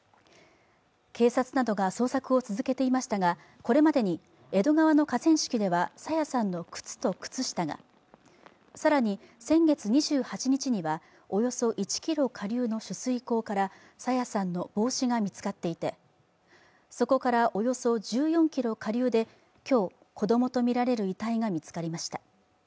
警察などが捜索を続けていましたが、これまでに江戸川の河川敷では朝芽さんの靴と靴下が、更に、先月２８日にはおよそ１ｋｍ下流の取水口から朝芽さんの帽子が見つかっていて、そこからおよそ１４ｋｍ下流で今日、子供とみられる遺体が見つかりました。